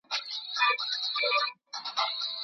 که دا رګونه زیانمن شي، ستونزې جوړېږي.